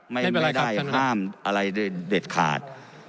ไม่ได้ห้ามอะไรเด็ดขาด